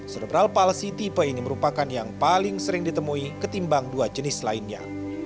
serebral palsi tipe ini merupakan yang paling sering ditemui ketimbang dua jenis lainnya